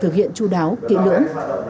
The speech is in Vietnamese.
thực hiện chu đáo kỹ lưỡng